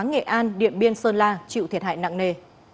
nghệ an điện biên sơn la chịu thiệt hại nặng nề